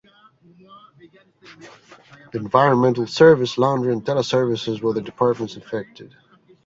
Environmental Service, Laundry and Teleservices were the departments affected.